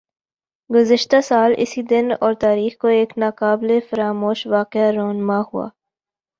گزشتہ سال اسی دن اور تاریخ کو ایک نا قابل فراموش واقعہ رونما ھوا